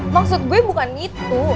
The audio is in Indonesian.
maksud gue bukan itu